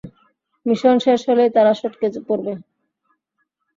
Mission শেষ হলেই তারা সটকে পড়ে।